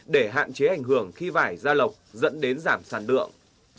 để hạn chế ảnh hưởng khi vải ra lọc dẫn đến giảm sản lượng